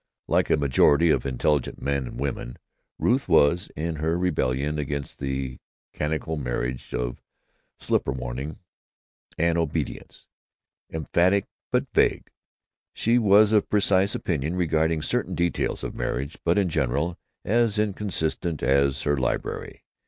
Like a majority of intelligent men and women, Ruth was, in her rebellion against the canonical marriage of slipper warming and obedience, emphatic but vague. She was of precise opinion regarding certain details of marriage, but in general as inconsistent as her library.